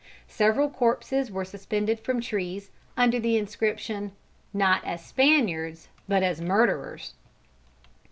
Several corpses were suspended from trees, under the inscription, "_Not as Spaniards, but as Murderers.